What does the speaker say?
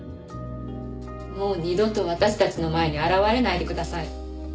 もう二度と私たちの前に現れないでください。